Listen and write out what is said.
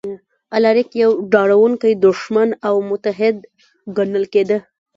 الاریک یو ډاروونکی دښمن او متحد ګڼل کېده